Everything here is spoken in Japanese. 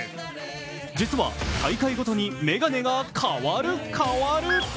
実は大会ごとに眼鏡が変わる、変わる。